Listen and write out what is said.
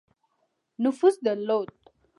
نفوذ درلود.